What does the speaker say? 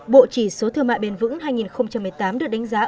bộ chỉ số thương mại bền vững hai nghìn một mươi tám được đánh giá